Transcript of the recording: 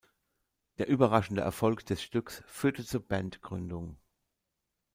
Der überraschende Erfolg des Stücks führte zur Bandgründung.